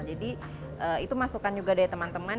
jadi itu juga dimasukkan dari temen temen